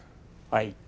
はい